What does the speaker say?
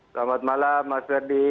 selamat malam mas ferdi